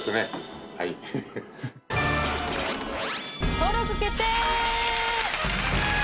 登録決定！